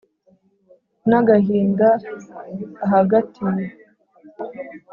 n’agahinda ahagatiye